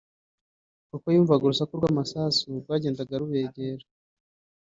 Kuko yumvaga urusaku rw’amasasu rwagendaga rubegera